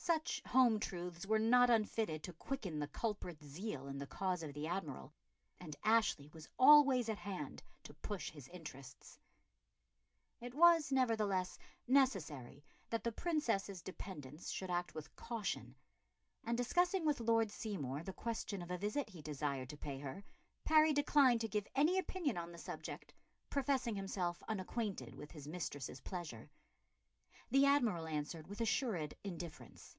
Such home truths were not unfitted to quicken the culprit's zeal in the cause of the Admiral, and Ashley was always at hand to push his interests. It was, nevertheless, necessary that the Princess's dependants should act with caution; and, discussing with Lord Seymour the question of a visit he desired to pay her, Parry declined to give any opinion on the subject, professing himself unacquainted with his mistress's pleasure. The Admiral answered with assumed indifference.